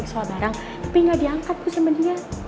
kesual barang tapi gak diangkat ku sama dia